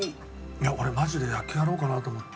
いや俺マジで野球やろうかなと思って。